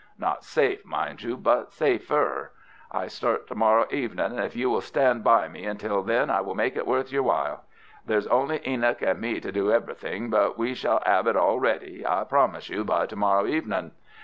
Not safe, mind you, but safer. I start to morrow evening, and if you will stand by me until then I will make it worth your while. There's only Enoch and me to do everything, but we shall 'ave it all ready, I promise you, by to morrow evening.